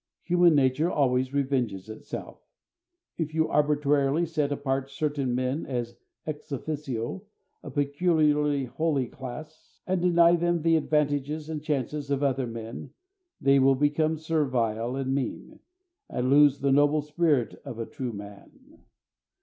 Human nature always revenges itself. If you arbitrarily set apart certain men as ex officio a peculiarly holy class, and deny them the advantages and chances of other men, they will become servile and mean, and lose the noble spirit of a true man.